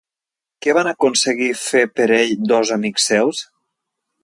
Què van aconseguir fer per ell dos amics seus?